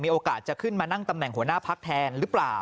โอกาสจะขึ้นมานั่งตำแหน่งหัวหน้าพักแทนหรือเปล่า